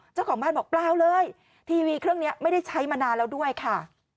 เจ้าของบ้านบอกเปล่าเลยทีวีเครื่องนี้ไม่ได้ใช้มานานแล้วด้วยค่ะ